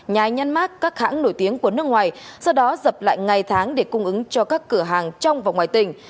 nhà nhăn mát các hãng nổi tiếng của nước ngoài sau đó dập lại ngày tháng để cung ứng cho các cửa hàng trong và ngoài tỉnh